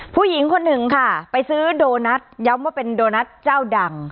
ผู้หญิงคนหนึ่งค่ะไปซื้อโดนัทย้ำว่าเป็นโดนัทเจ้าดัง